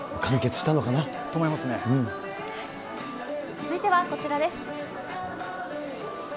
続いてはこちらです。